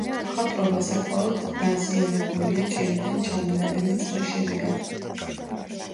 მხატვრობა საკმაოდ დაზიანებულია ჭერიდან ჩამონადენი წყლის შედეგად.